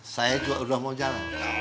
saya juga udah mau jalan